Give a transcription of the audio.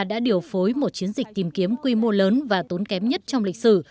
đã điều phối một chiến dịch tìm kiếm quy mô lớn và tốn kém nhất trong lịch sử